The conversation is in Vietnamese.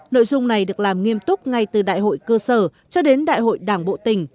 nội dung này được làm nghiêm túc ngay từ đại hội cơ sở cho đến đại hội đảng bộ tỉnh